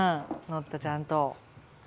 のったちゃんと。